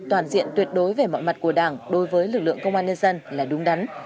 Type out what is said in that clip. toàn diện tuyệt đối về mọi mặt của đảng đối với lực lượng công an nhân dân là đúng đắn